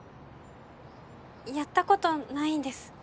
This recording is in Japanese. やったことないんです。